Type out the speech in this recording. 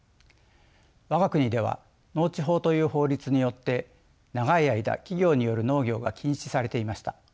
我が国では農地法という法律によって長い間企業による農業が禁止されていました。